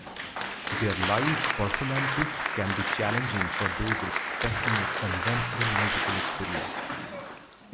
Their live performances can be challenging for those expecting a conventional musical experience.